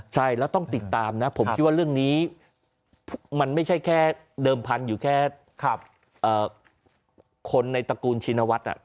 ใช่แล้วต้องติดตามนะผมคิดว่าเรื่องนี้มันไม่ใช่แค่เดิมพันธุ์อยู่แค่คนในตระกูลชินวัฒน์